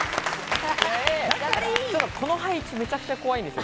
この配置、めちゃくちゃ怖いんです。